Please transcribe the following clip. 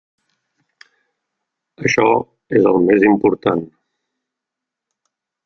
Això és el més important.